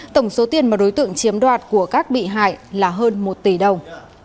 tổng số tiền mà đối tượng chiếm đoạt của các bị hại là hơn một tỷ đồng